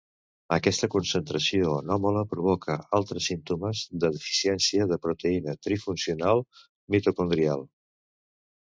Aquesta concentració anòmala provoca altres símptomes de deficiència de proteïna trifuncional mitocondrial.